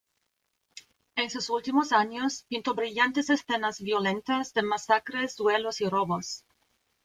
En sus últimos años, pintó brillantes escenas violentas, de masacres, duelos y robos.